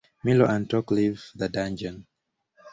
Milo and Tock leave the dungeon.